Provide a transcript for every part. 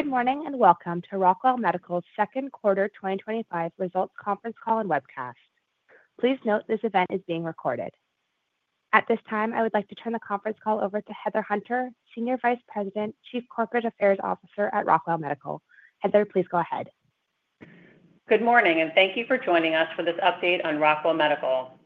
Good morning and welcome to Rockwell Medical's Second Quarter 2025 Results Conference Call and Webcast. Please note this event is being recorded. At this time, I would like to turn the conference call over to Heather Hunter, Senior Vice President, Chief Corporate Affairs Officer at Rockwell Medical. Heather, please go ahead. Good morning and thank you for joining us for this update on Rockwell Medical.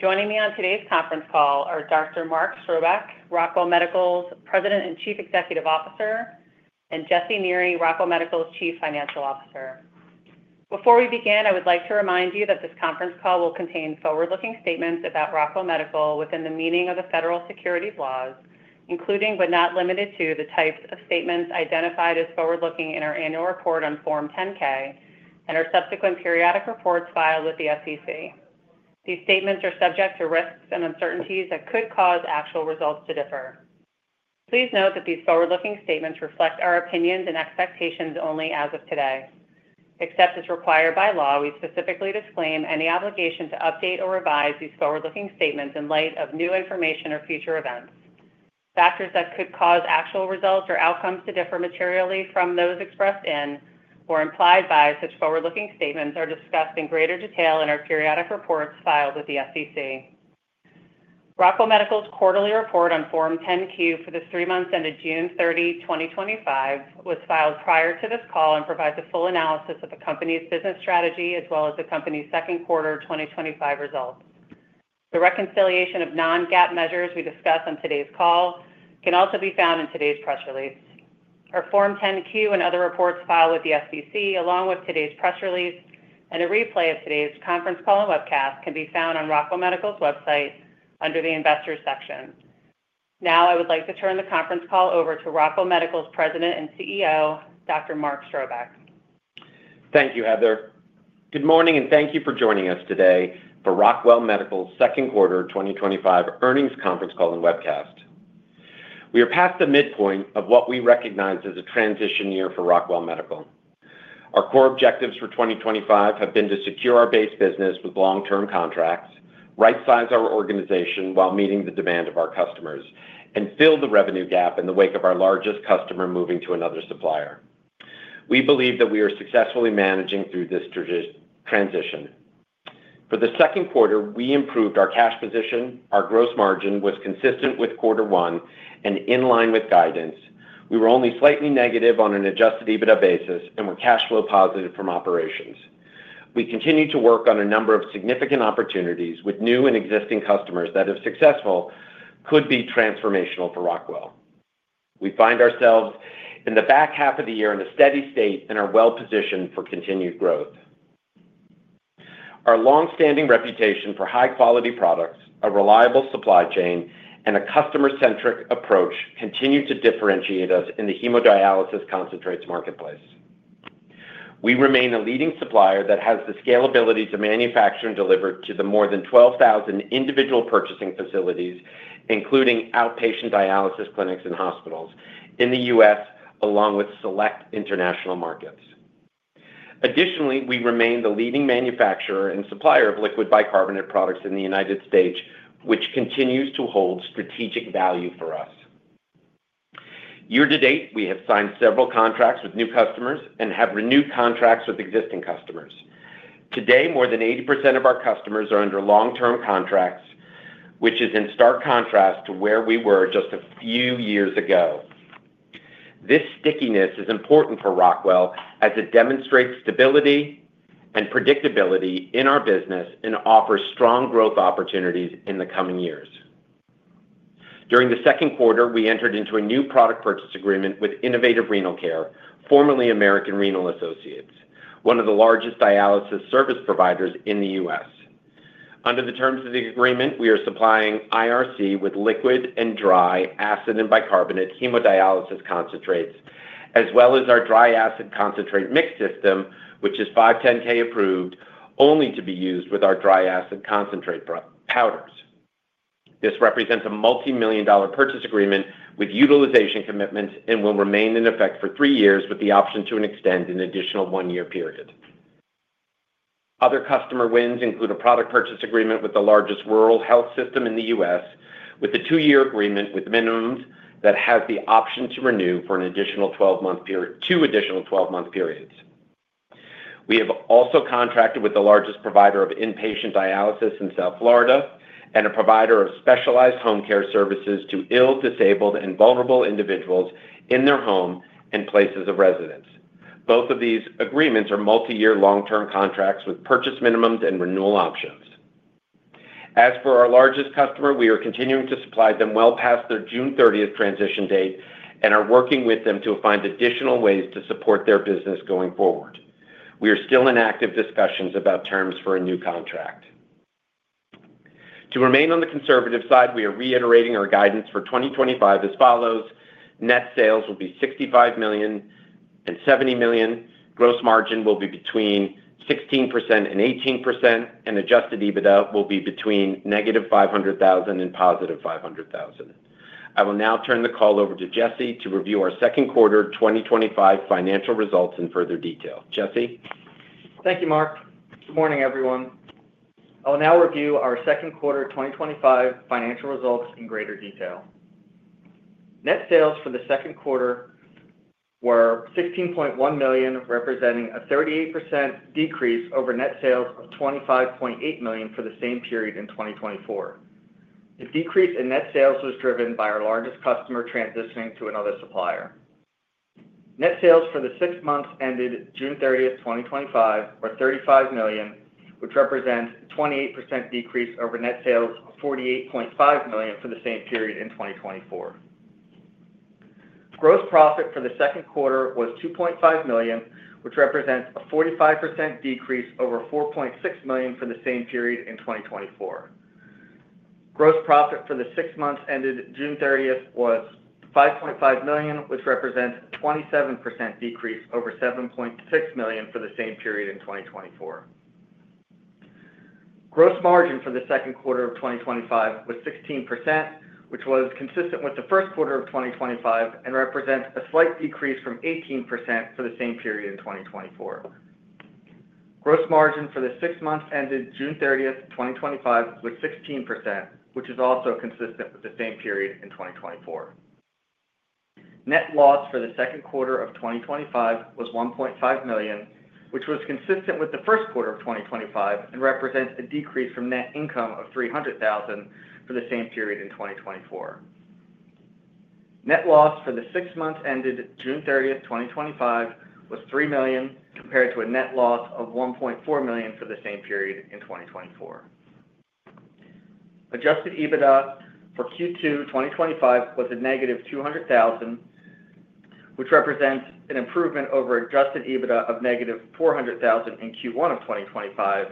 Joining me on today's conference call are Dr. Mark Strobeck, Rockwell Medical's President and Chief Executive Officer, and Jesse Neri, Rockwell Medical's Chief Financial Officer. Before we begin, I would like to remind you that this conference call will contain forward-looking statements about Rockwell Medical within the meaning of the federal securities laws, including but not limited to the types of statements identified as forward-looking in our annual report on Form 10-K and our subsequent periodic reports filed with the SEC. These statements are subject to risks and uncertainties that could cause actual results to differ. Please note that these forward-looking statements reflect our opinions and expectations only as of today. Except as required by law, we specifically disclaim any obligation to update or revise these forward-looking statements in light of new information or future events. Factors that could cause actual results or outcomes to differ materially from those expressed in or implied by such forward-looking statements are discussed in greater detail in our periodic reports filed with the SEC. Rockwell Medical's quarterly report on Form 10-Q for the three months ended June 30, 2025, was filed prior to this call and provides a full analysis of the company's business strategy as well as the company's second quarter 2025 results. The reconciliation of non-GAAP measures we discuss on today's call can also be found in today's press release. Our Form 10-Q and other reports filed with the SEC, along with today's press release and a replay of today's conference call and webcast, can be found on Rockwell Medical's website under the Investors section. Now I would like to turn the conference call over to Rockwell Medical's President and CEO, Dr. Mark Strobeck. Thank you, Heather. Good morning and thank you for joining us today for Rockwell Medical's Second Quarter 2025 Earnings Conference Call and Webcast. We are past the midpoint of what we recognize as a transition year for Rockwell Medical. Our core objectives for 2025 have been to secure our base business with long-term contracts, right-size our organization while meeting the demand of our customers, and fill the revenue gap in the wake of our largest customer moving to another supplier. We believe that we are successfully managing through this transition. For the second quarter, we improved our cash position. Our gross margin was consistent with quarter one and in line with guidance. We were only slightly negative on an adjusted EBITDA basis and were cash flow positive from operations. We continue to work on a number of significant opportunities with new and existing customers that, if successful, could be transformational for Rockwell. We find ourselves in the back half of the year in a steady state and are well-positioned for continued growth. Our long-standing reputation for high-quality products, a reliable supply chain, and a customer-centric approach continue to differentiate us in the hemodialysis concentrates marketplace. We remain a leading supplier that has the scalability to manufacture and deliver to the more than 12,000 individual purchasing facilities, including outpatient dialysis clinics and hospitals in the U.S., along with select international markets. Additionally, we remain the leading manufacturer and supplier of liquid bicarbonate products in the United States, which continues to hold strategic value for us. Year to date, we have signed several contracts with new customers and have renewed contracts with existing customers. Today, more than 80% of our customers are under long-term contracts, which is in stark contrast to where we were just a few years ago. This stickiness is important for Rockwell as it demonstrates stability and predictability in our business and offers strong growth opportunities in the coming years. During the second quarter, we entered into a new product purchase agreement with Innovative Renal Care, formerly American Renal Associates, one of the largest dialysis service providers in the U.S. Under the terms of the agreement, we are supplying IRC with liquid and dry acid and bicarbonate hemodialysis concentrates, as well as our dry acid concentrate mix system, which is 510(k) approved, only to be used with our dry acid concentrate powders. This represents a multimillion-dollar purchase agreement with utilization commitments and will remain in effect for three years with the option to extend an additional one-year period. Other customer wins include a product purchase agreement with the largest rural health system in the U.S., with a two-year agreement with minimums that has the option to renew for an additional 12-month period, two additional 12-month periods. We have also contracted with the largest provider of inpatient dialysis in South Florida and a provider of specialized home care services to ill, disabled, and vulnerable individuals in their home and places of residence. Both of these agreements are multi-year, long-term contracts with purchase minimums and renewal options. As for our largest customer, we are continuing to supply them well past their June 30th transition date and are working with them to find additional ways to support their business going forward. We are still in active discussions about terms for a new contract. To remain on the conservative side, we are reiterating our guidance for 2025 as follows: net sales will be $65 million and $70 million, gross margin will be between 16% and 18%, and adjusted EBITDA will be between -$500,000 and +$500,000. I will now turn the call over to Jesse to review our second quarter 2025 financial results in further detail. Jesse. Thank you, Mark. Good morning, everyone. I will now review our second quarter 2025 financial results in greater detail. Net sales for the second quarter were $16.1 million, representing a 38% decrease over net sales of $25.8 million for the same period in 2024. The decrease in net sales was driven by our largest customer transitioning to another supplier. Net sales for the six months ended June 30th, 2025, were $35 million, which represents a 28% decrease over net sales of $48.5 million for the same period in 2024. Gross profit for the second quarter was $2.5 million, which represents a 45% decrease over $4.6 million for the same period in 2024. Gross profit for the six months ended June 30th was $5.5 million, which represents a 27% decrease over $7.6 million for the same period in 2024. Gross margin for the second quarter of 2025 was 16%, which was consistent with the first quarter of 2025 and represents a slight decrease from 18% for the same period in 2024. Gross margin for the six months ended June 30th, 2025, was 16%, which is also consistent with the same period in 2024. Net loss for the second quarter of 2025 was $1.5 million, which was consistent with the first quarter of 2025 and represents a decrease from net income of $300,000 for the same period in 2024. Net loss for the six months ended June 30th, 2025, was $3 million compared to a net loss of $1.4 million for the same period in 2024. Adjusted EBITDA for Q2 2025 was a -$200,000, which represents an improvement over adjusted EBITDA of -$400,000 in Q1 of 2025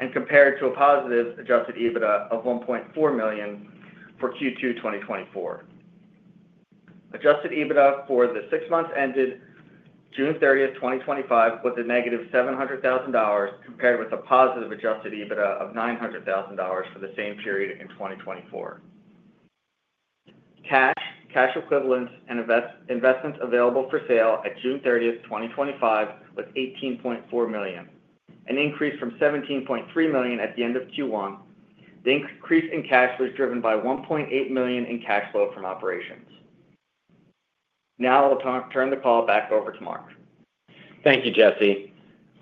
and compared to a positive adjusted EBITDA of $1.4 million for Q2 2024. Adjusted EBITDA for the six months ended June 30th, 2025, was a -$700,000 compared with a positive adjusted EBITDA of $900,000 for the same period in 2024. Cash, cash equivalents, and investments available for sale at June 30th, 2025, was $18.4 million, an increase from $17.3 million at the end of Q1. The increase in cash was driven by $1.8 million in cash flow from operations. Now I'll turn the call back over to Mark. Thank you, Jesse.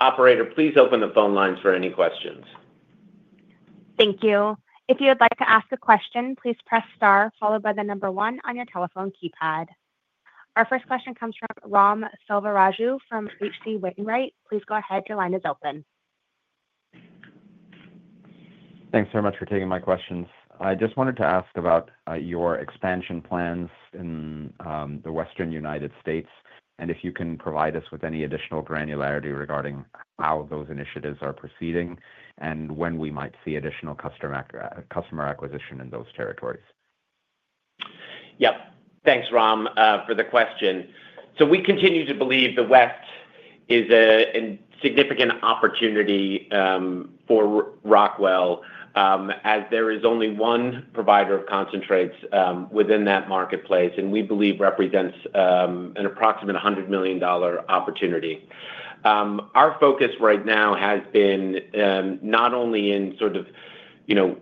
Operator, please open the phone lines for any questions. Thank you. If you would like to ask a question, please press star followed by the number one on your telephone keypad. Our first question comes from Ram Selvaraju from H.C. Wainwright. Please go ahead. Your line is open. Thanks very much for taking my questions. I just wanted to ask about your expansion plans in the Western United States, and if you can provide us with any additional granularity regarding how those initiatives are proceeding and when we might see additional customer acquisition in those territories. Thanks, Ram, for the question. We continue to believe the West is a significant opportunity for Rockwell as there is only one provider of concentrates within that marketplace, and we believe it represents an approximate $100 million opportunity. Our focus right now has been not only in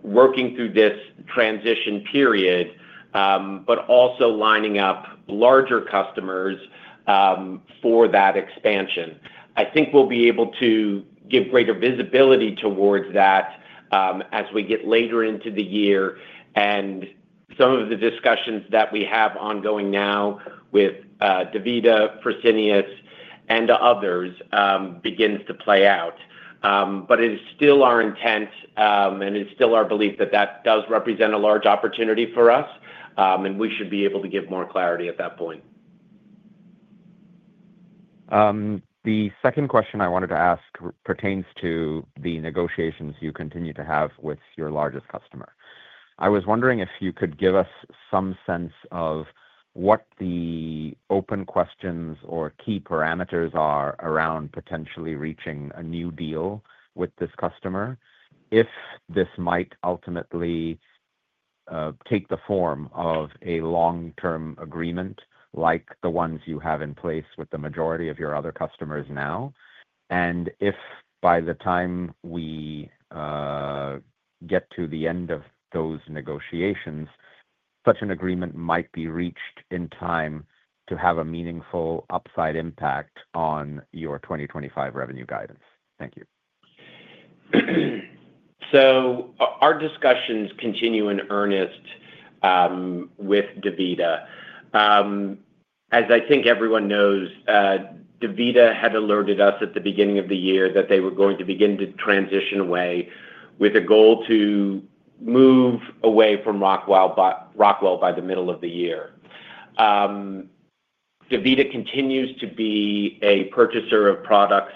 working through this transition period, but also lining up larger customers for that expansion. I think we'll be able to give greater visibility towards that as we get later into the year and some of the discussions that we have ongoing now with DaVita, Fresenius, and others begin to play out. It is still our intent and it is still our belief that that does represent a large opportunity for us, and we should be able to give more clarity at that point. The second question I wanted to ask pertains to the negotiations you continue to have with your largest customer. I was wondering if you could give us some sense of what the open questions or key parameters are around potentially reaching a new deal with this customer, if this might ultimately take the form of a long-term agreement like the ones you have in place with the majority of your other customers now, and if by the time we get to the end of those negotiations, such an agreement might be reached in time to have a meaningful upside impact on your 2025 revenue guidance. Thank you. Our discussions continue in earnest with DaVita. As I think everyone knows, DaVita had alerted us at the beginning of the year that they were going to begin to transition away with a goal to move away from Rockwell by the middle of the year. DaVita continues to be a purchaser of products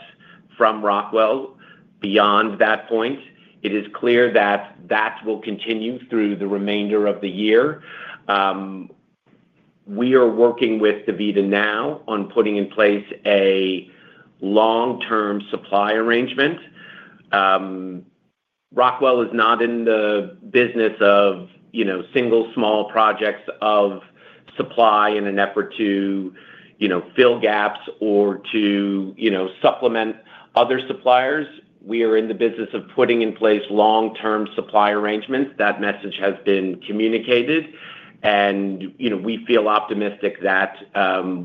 from Rockwell. Beyond that point, it is clear that that will continue through the remainder of the year. We are working with DaVita now on putting in place a long-term supply arrangement. Rockwell is not in the business of single small projects of supply in an effort to fill gaps or to supplement other suppliers. We are in the business of putting in place long-term supply arrangements. That message has been communicated and we feel optimistic that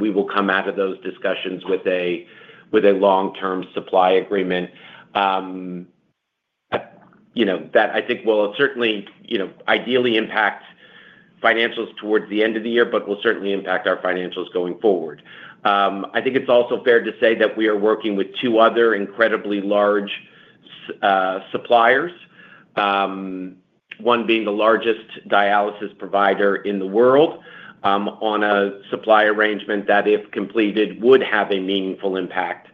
we will come out of those discussions with a long-term supply agreement. I think that will certainly, ideally, impact financials towards the end of the year, but will certainly impact our financials going forward. I think it's also fair to say that we are working with two other incredibly large suppliers, one being the largest dialysis provider in the world, on a supply arrangement that, if completed, would have a meaningful impact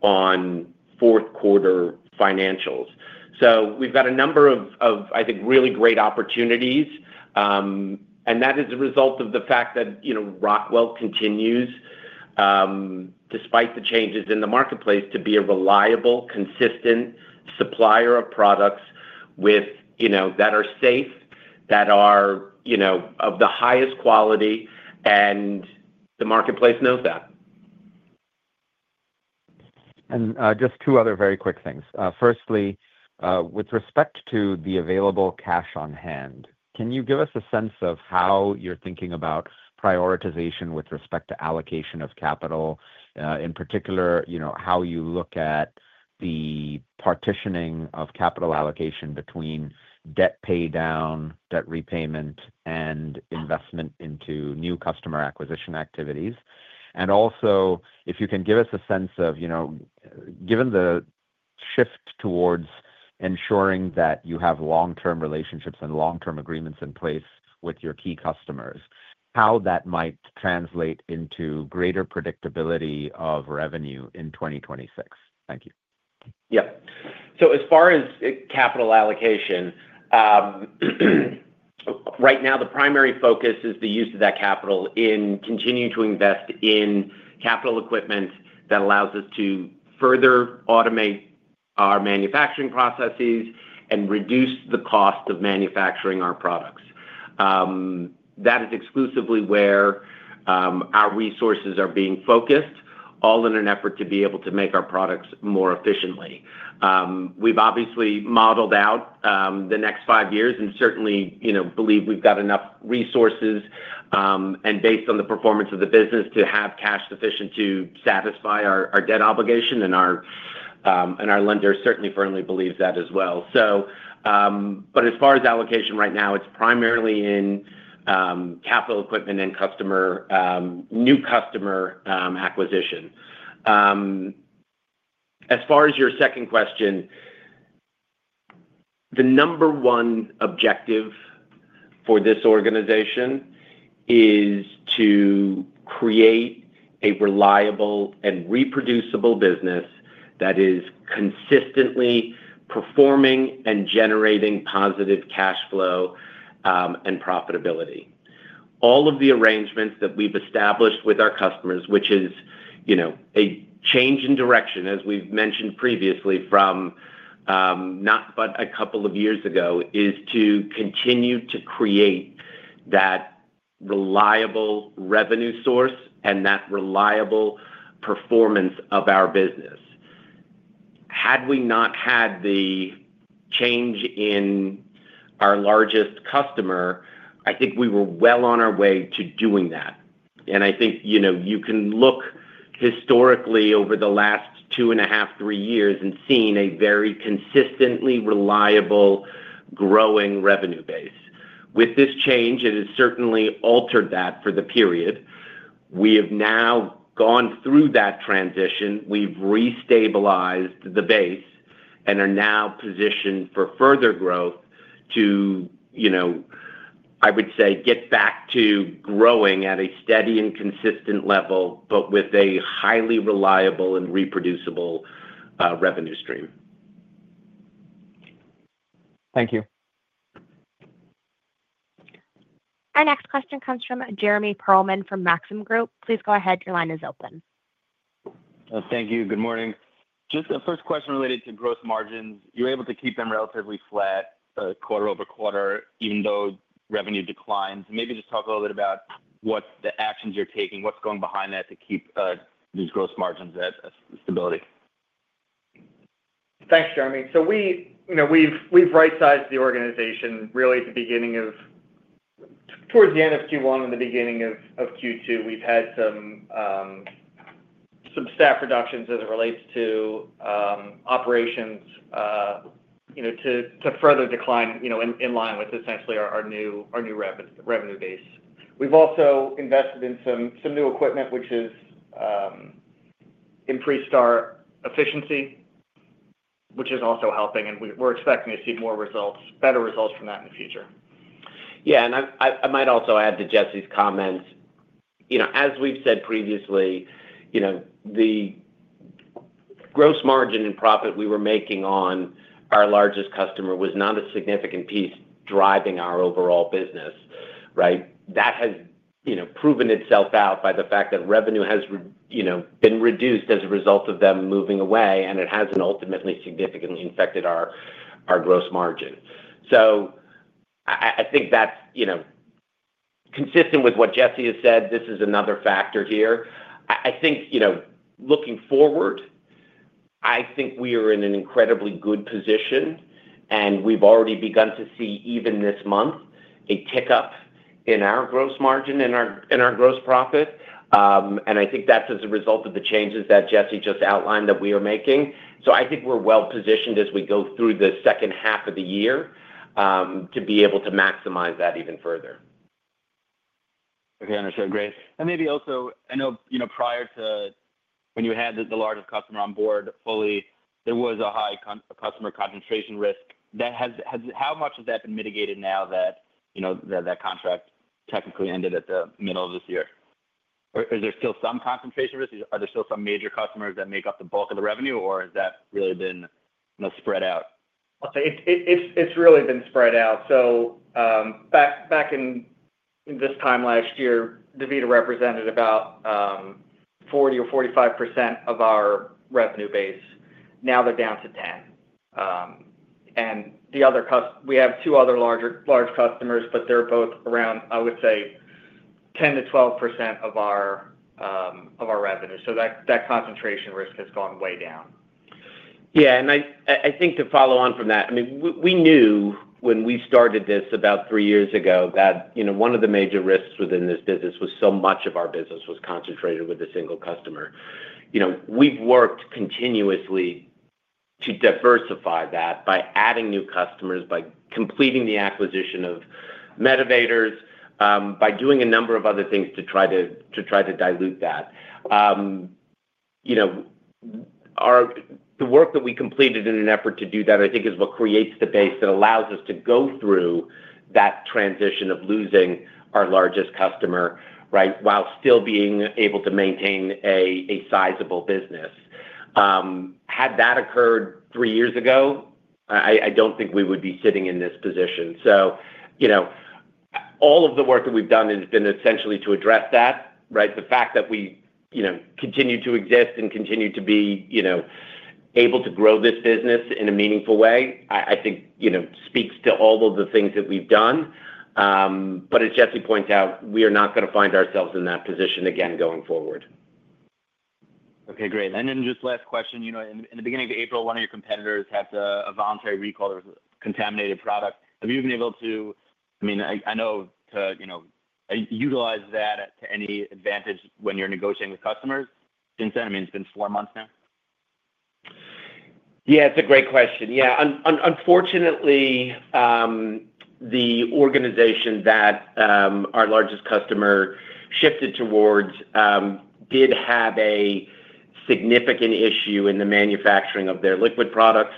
on fourth-quarter financials. We have a number of really great opportunities. That is a result of the fact that Rockwell continues, despite the changes in the marketplace, to be a reliable, consistent supplier of products that are safe, that are of the highest quality, and the marketplace knows that. Just two other very quick things. Firstly, with respect to the available cash on hand, can you give us a sense of how you're thinking about prioritization with respect to allocation of capital? In particular, you know, how you look at the partitioning of capital allocation between debt paydown, debt repayment, and investment into new customer acquisition activities. Also, if you can give us a sense of, you know, given the shift towards ensuring that you have long-term relationships and long-term agreements in place with your key customers, how that might translate into greater predictability of revenue in 2026. Thank you. As far as capital allocation, right now the primary focus is the use of that capital in continuing to invest in capital equipment that allows us to further automate our manufacturing processes and reduce the cost of manufacturing our products. That is exclusively where our resources are being focused, all in an effort to be able to make our products more efficiently. We've obviously modeled out the next five years and certainly believe we've got enough resources, and based on the performance of the business, to have cash sufficient to satisfy our debt obligation, and our lender certainly firmly believes that as well. As far as allocation right now, it's primarily in capital equipment and new customer acquisition. As far as your second question, the number one objective for this organization is to create a reliable and reproducible business that is consistently performing and generating positive cash flow and profitability. All of the arrangements that we've established with our customers, which is a change in direction, as we've mentioned previously from not but a couple of years ago, is to continue to create that reliable revenue source and that reliable performance of our business. Had we not had the change in our largest customer, I think we were well on our way to doing that. I think you can look historically over the last two and a half, three years and see a very consistently reliable, growing revenue base. With this change, it has certainly altered that for the period. We have now gone through that transition. We've restabilized the base and are now positioned for further growth to, I would say, get back to growing at a steady and consistent level, but with a highly reliable and reproducible revenue stream. Thank you. Our next question comes from Jeremy Pearlman from Maxim Group. Please go ahead. Your line is open. Thank you. Good morning. The first question is related to gross margins. You're able to keep them relatively flat quarter over quarter, even though revenue declines. Maybe just talk a little bit about what the actions you're taking, what's going behind that to keep these gross margins at stability. Thanks, Jeremy. We've right-sized the organization at the end of Q1 and the beginning of Q2. We've had some staff reductions as it relates to operations, in line with essentially our new revenue base. We've also invested in some new equipment, which has increased our efficiency, which is also helping, and we're expecting to see more results, better results from that in the future. Yeah, I might also add to Jesse's comments. As we've said previously, the gross margin and profit we were making on our largest customer was not a significant piece driving our overall business, right? That has proven itself out by the fact that revenue has been reduced as a result of them moving away, and it hasn't ultimately significantly affected our gross margin. I think that's consistent with what Jesse has said. This is another factor here. Looking forward, I think we are in an incredibly good position, and we've already begun to see even this month a tick up in our gross margin and our gross profit. I think that's as a result of the changes that Jesse just outlined that we are making. I think we're well-positioned as we go through the second half of the year to be able to maximize that even further. Okay, understood. Great. I know, prior to when you had the largest customer on board fully, there was a high customer concentration risk. How much has that been mitigated now that that contract technically ended at the middle of this year? Is there still some concentration risk? Are there still some major customers that make up the bulk of the revenue, or has that really been spread out? Back in this time last year, DaVita represented about 40% or 45% of our revenue base. Now they're down to 10%, and the other customers, we have two other large customers, but they're both around, I would say, 10%-12% of our revenue. That concentration risk has gone way down. Yeah, I think to follow on from that, I mean, we knew when we started this about three years ago that one of the major risks within this business was so much of our business was concentrated with a single customer. We've worked continuously to diversify that by adding new customers, by completing the acquisition of Medivators, by doing a number of other things to try to dilute that. The work that we completed in an effort to do that, I think, is what creates the base that allows us to go through that transition of losing our largest customer, right, while still being able to maintain a sizable business. Had that occurred three years ago, I don't think we would be sitting in this position. All of the work that we've done has been essentially to address that, right? The fact that we continue to exist and continue to be able to grow this business in a meaningful way, I think, speaks to all of the things that we've done. As Jesse points out, we are not going to find ourselves in that position again going forward. Okay, great. Just last question, in the beginning of April, one of your competitors had a voluntary recall of a contaminated product. Have you been able to utilize that to any advantage when you're negotiating with customers since then? It's been four months now. Yeah, it's a great question. Unfortunately, the organization that our largest customer shifted towards did have a significant issue in the manufacturing of their liquid products.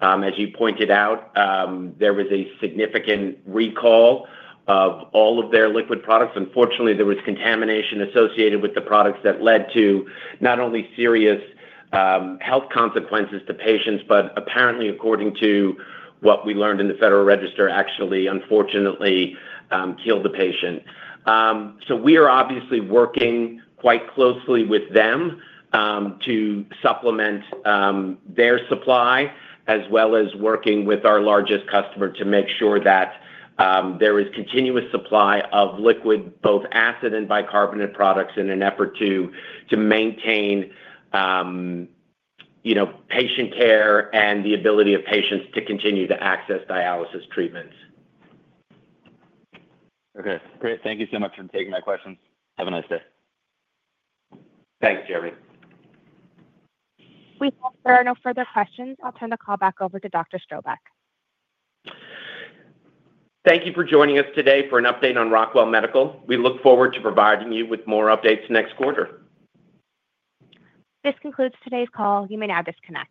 As you pointed out, there was a significant recall of all of their liquid products. Unfortunately, there was contamination associated with the products that led to not only serious health consequences to patients, but apparently, according to what we learned in the Federal Register, actually, unfortunately, killed a patient. We are obviously working quite closely with them to supplement their supply, as well as working with our largest customer to make sure that there is continuous supply of liquid, both acid and bicarbonate products, in an effort to maintain patient care and the ability of patients to continue to access dialysis treatments. Okay, great. Thank you so much for taking my questions. Have a nice day. Thanks, Jeremy. If there are no further questions, I'll turn the call back over to Dr. Strobeck. Thank you for joining us today for an update on Rockwell Medical. We look forward to providing you with more updates next quarter. This concludes today's call. You may now disconnect.